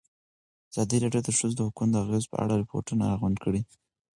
ازادي راډیو د د ښځو حقونه د اغېزو په اړه ریپوټونه راغونډ کړي.